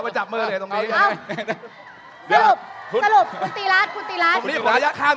จริงขุนตีรัส